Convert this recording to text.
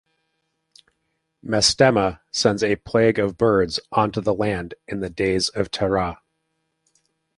Mastema sends a plague of birds onto the land in the days of Terah.